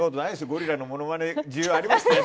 ゴリラのものまね需要ありますよ。